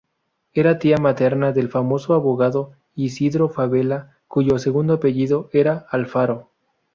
Era tía materna del famoso abogado Isidro Fabela, cuyo segundo apellido era Alfaro.